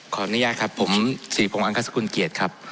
ขออนุญาตครับผมศรีพงศังคัสกุลเกียรติครับ